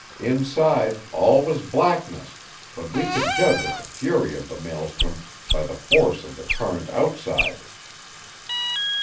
Inside all was blackness, but we could judge of the fury of the maelstrom by the force of the current outside.